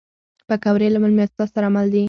پکورې له میلمستیا سره مل دي